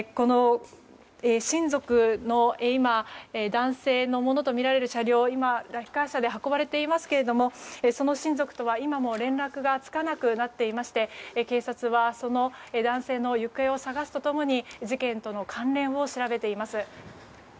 親族の男性のものとみられる車両今、レッカー車で運ばれていますがその親族とは今も連絡がつかなくなっていまして警察はその男性の行方を捜すと共に事件との関連を調べています。